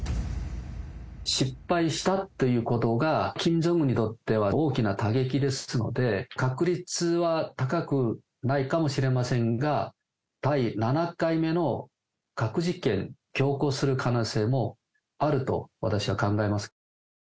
失敗したということが、キム・ジョンウンにとっては大きな打撃ですので、確率は高くないかもしれませんが、第７回目の核実験を強行する可能性もあると、私は考えます。